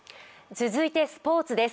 続いてスポーツです。